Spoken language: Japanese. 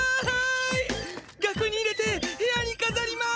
がくに入れて部屋にかざります！